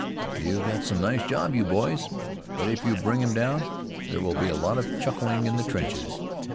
"You got some nice job, you boys. But if you bring him down, there will be a lot of chuckling in the trenches.